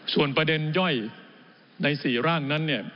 ส่วนประเด็นย่อยในสี่ร่างนั้น